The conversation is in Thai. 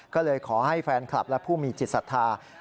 ก็เลยขอให้แฟนคลับและผู้มีจิตศรัทธา